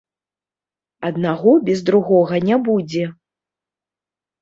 Аднаго без другога не будзе.